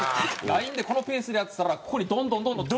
ラインでこのペースでやってたらここにどんどんどんどん。